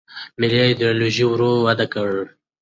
ملي ایدیالوژي ورو وده وکړه.